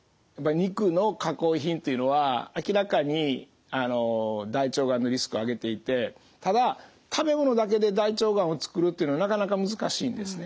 肉の加工品というのは明らかに大腸がんのリスクを上げていてただ食べ物だけで大腸がんを作るというのはなかなか難しいんですね。